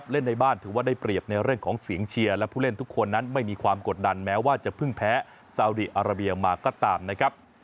เรื่องของเสียงเชียร์และผู้เล่นทุกคนนั้นไม่มีความกดดันแม้ว่าจะเพิ่งแพ้สาวดีอาราเบียงมาก็ตามนะครับ